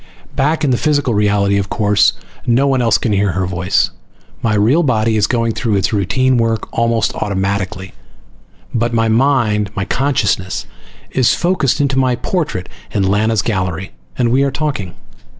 Back in the physical reality, of course, no one else can hear her voice. My real body is going through its routine work almost automatically but my mind, my consciousness, is focused into my portrait in Lana's gallery, and we are talking.